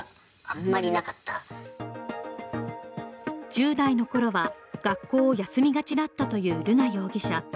１０代の頃は学校を休みがちだったという瑠奈容疑者。